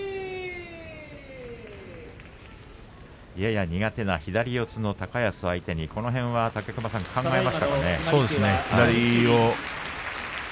やや苦手な左四つの高安を相手にこの辺は考えましたね。